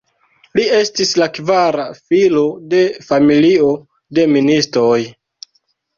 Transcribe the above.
Li estis la kvara filo de familio de ministoj.